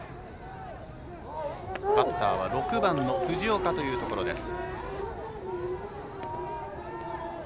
バッターは６番の藤岡というところです。